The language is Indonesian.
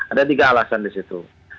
ada tiga alasan disitu